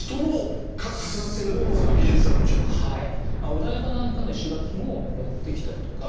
お台場なんかの石垣も持ってきたりとか。